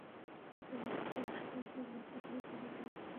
এতেই বোঝা যায়, শুধু লোক দেখানোর জন্য তিনি আলোকসজ্জা চালু করেছিলেন।